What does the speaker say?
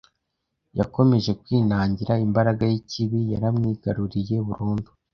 yakomeje kwinangira, imbaraga y’ikibi yaramwigaruriye burundu